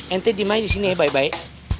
ente diima aja disini yah baik baik